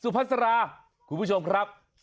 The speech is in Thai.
สุภาษาคุณผู้ชมครับ